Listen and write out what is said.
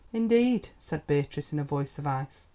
"Indeed," said Beatrice, in a voice of ice.